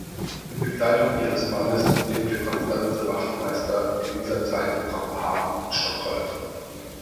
In Begleitung ihres Mannes lebte Constance Wachtmeister in dieser Zeit in Kopenhagen und Stockholm.